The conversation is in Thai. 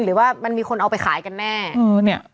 หรือว่ามันมีคนเอาไปขายกันแน่